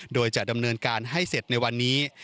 โดยจะดำเนินการให้เสร็จในวันนี้